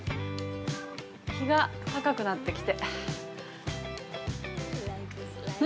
日が高くなってきて。